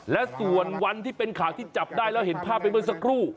และส่วนวันที่เป็นข่าวที่จับได้แล้วเห็นภาพไปเมื่อสักครู่